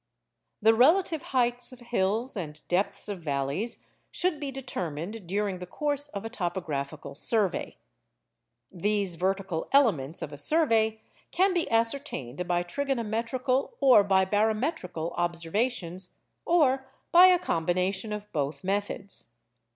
The relative heights of hills and depths of valleys should be determined during the course of a topographical survey. These vertical elements of a survey can be ascertained by trigonometrical or by barometrical observations, or by a combination of both methods.